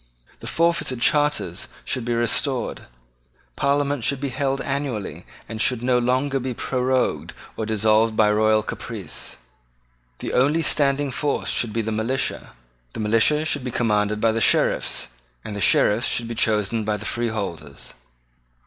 The forfeited charters should be restored. Parliament should be held annually, and should no longer be prorogued or dissolved by royal caprice. The only standing force should be the militia: the militia should be commanded by the Sheriffs; and the Sheriffs should be chosen by the freeholders.